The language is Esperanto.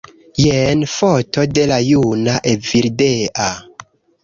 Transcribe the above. Jen foto de la juna Evildea